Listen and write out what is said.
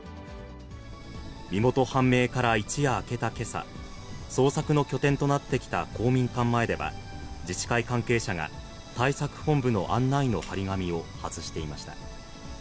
身元判明から一夜明けたけさ、捜索の拠点となってきた公民館前では、自治会関係者が、対策本部の案内の貼り紙を外していました。